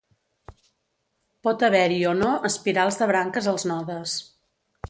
Pot haver-hi o no espirals de branques als nodes.